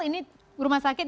ini rumah sakit